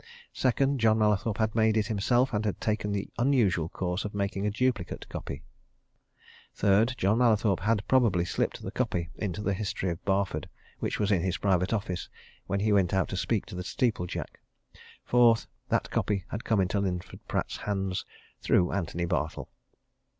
Second: John Mallathorpe had made it himself and had taken the unusual course of making a duplicate copy. Third: John Mallathorpe had probably slipped the copy into the History of Barford which was in his private office when he went out to speak to the steeple jack. Fourth: that copy had come into Linford Pratt's hands through Antony Bartle.